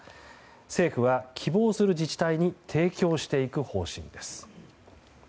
政府は希望する自治体に提供していく方針です。